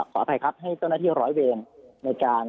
ขออภัยครับให้เจ้าหน้าที่ร้อยเวรในการ